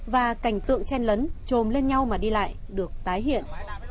và cảnh tượng chen lấn trồm lên nhau mà đi lại được tái hiện